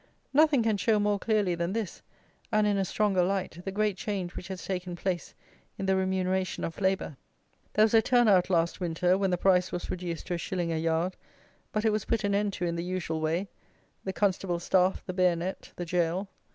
Nothing can show more clearly than this, and in a stronger light, the great change which has taken place in the remuneration of labour. There was a turn out last winter, when the price was reduced to a shilling a yard; but it was put an end to in the usual way; the constable's staff, the bayonet, the gaol.